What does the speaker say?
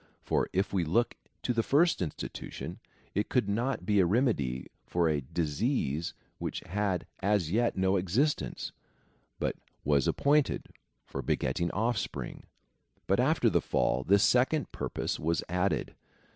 For if we look to the first institution, it could not be a remedy for a disease which had as yet no existence, but was appointed for beget ting offspring ; but after the fall, this second purpose was added.